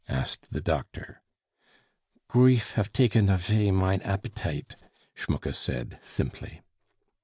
asked the doctor. "Grief haf taken afay mein abbetite," Schmucke said, simply.